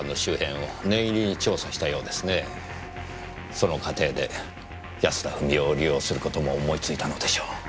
その過程で安田富美代を利用する事も思いついたのでしょう。